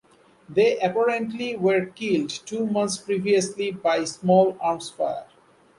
They apparently were killed two months previously by small arms fire.